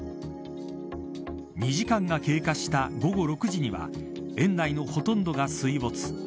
２時間が経過した午後６時には園内のほとんどが水没。